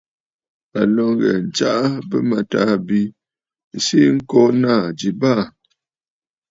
À lǒ ŋghɛ̀ɛ̀ ǹtsaʼa bɨ̂mâtaà bi sii ŋko naà ji baà.